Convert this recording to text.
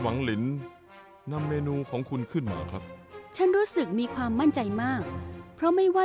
เวลาเหนียวน้อยแล้ว